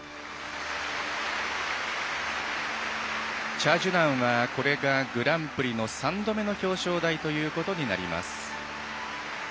チャ・ジュナンはこれがグランプリの３度目の表彰台ということになります。